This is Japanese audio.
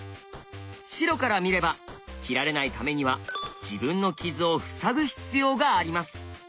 白から見れば切られないためには自分の傷を塞ぐ必要があります。